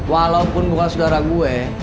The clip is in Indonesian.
walaupun bukan saudara gue